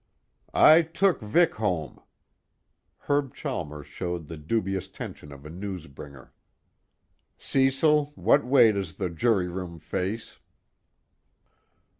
"I took Vic home." Herb Chalmers showed the dubious tension of a news bringer. "Cecil, what way does the jury room face?"